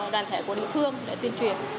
đoàn thể của địa phương để tuyên truyền